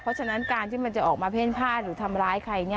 เพราะฉะนั้นเป็นการที่มันจะมาเพลินภาพหรือทำร้ายใคร